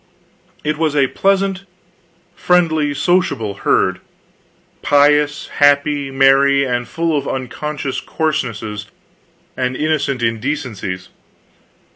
It was a pleasant, friendly, sociable herd; pious, happy, merry and full of unconscious coarsenesses and innocent indecencies.